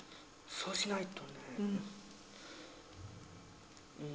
そうしないと？